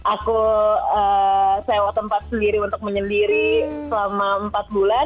aku sewa tempat sendiri untuk menyendiri selama empat bulan